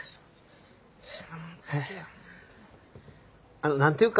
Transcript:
あの何ていうか。